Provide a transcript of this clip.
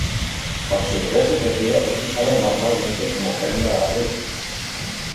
Por su grueso tejido es usado normalmente como prenda de abrigo.